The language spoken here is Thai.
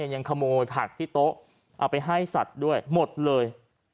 ยังขโมยผักที่โต๊ะเอาไปให้สัตว์ด้วยหมดเลย